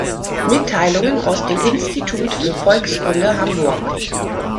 Mitteilungen aus dem Institut für Volkskunde Hamburg".